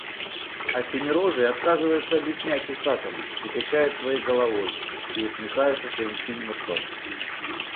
А синерожий отказывается объяснять усатому, и качает своей головой, и усмехается своим синим ртом.